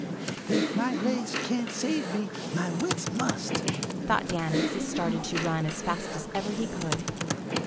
"If my legs can't save me, my wits must," thought Danny as he started to run as fast as ever he could.